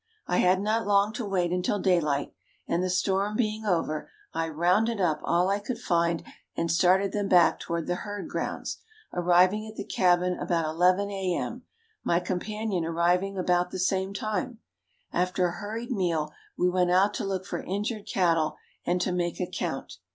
I had not long to wait until daylight, and the storm being over I "rounded up" all I could find and started them back toward the herd grounds, arriving at the cabin about 11 A. M., my companion arriving about the same time. After a hurried meal we went out to look for injured cattle and to make a count.